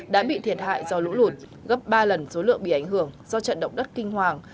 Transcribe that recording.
đã bị thiệt hại do lũ lụt gấp ba lần số lượng bị ảnh hưởng do trận động đất kinh hoàng